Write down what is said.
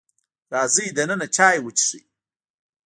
راځئ دننه چای وسکئ.